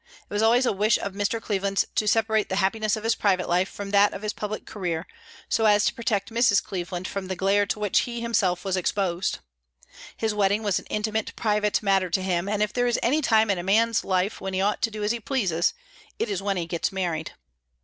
It was always a wish of Mr. Cleveland's to separate the happiness of his private life from that of his public career, so as to protect Mrs. Cleveland from the glare to which he himself was exposed. His wedding was an intimate, private matter to him, and if there is any time in a man's life when he ought to do as he pleases it is when he gets married.